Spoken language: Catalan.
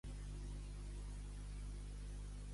El coll te'n sabrà.